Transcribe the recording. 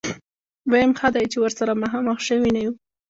ويم ښه دی چې ورسره مخامخ شوي نه يو.